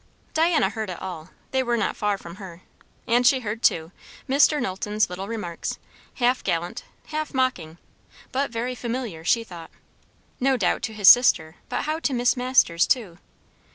Diana heard it all, they were not far from her; and she heard, too, Mr. Knowlton's little remarks, half gallant, half mocking, but very familiar, she thought. No doubt, to his sister; but how to Miss Masters too?